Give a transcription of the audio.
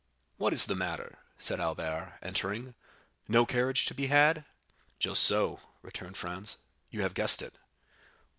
"What is the matter?" said Albert, entering; "no carriage to be had?" "Just so," returned Franz, "you have guessed it."